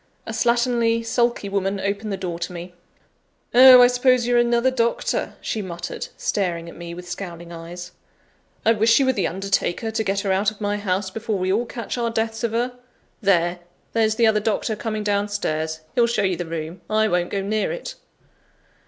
A slatternly, sulky woman opened the door to me. "Oh! I suppose you're another doctor," she muttered, staring at me with scowling eyes. "I wish you were the undertaker, to get her out of my house before we all catch our deaths of her! There! there's the other doctor coming down stairs; he'll show you the room I won't go near it."